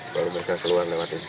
baru mereka keluar lewat itu